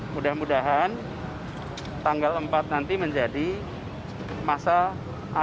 mudah mudahan tanggal empat nanti menjadi masa akhir